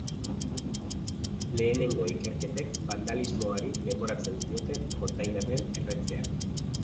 Lehenengo ikerketek bandalismoari leporatzen zioten kontainerren erretzea.